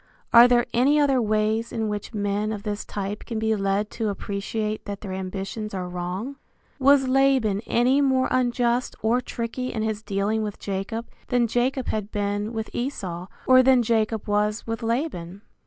Are there any other ways in which men of this type can be led to appreciate that their ambitions are wrong? Was Laban any more unjust or tricky in his dealing with Jacob than Jacob had been with Esau, or than Jacob was with Laban?